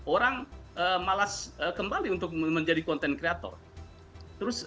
orang malas kembali untuk menjadi content creator